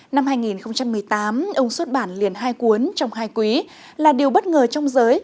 năm hai nghìn một mươi tám ông xuất bản liền hai cuốn trong hai quý là điều bất ngờ trong giới